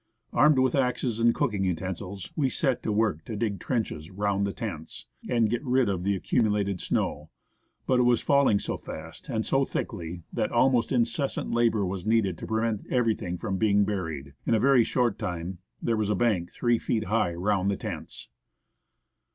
Armed with axes and cooking utensils, we set to work to dig trenches round the tents, and get rid of the accumulated snow. But it was falling so fast and so thickly, that almost incessant labour CAMP OX NEWTON GLACIER, IN THE EOG. was needed to prevent everything from being buried. In a very short time there was a bank three feet high round the tents.